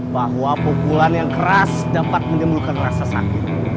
bahwa pukulan yang keras dapat menimbulkan rasa sakit